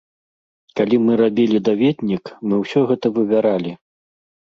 Калі мы рабілі даведнік, мы ўсё гэта вывяралі.